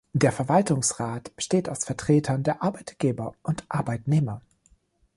Der Verwaltungsrat besteht aus Vertretern der Arbeitgeber und Arbeitnehmer.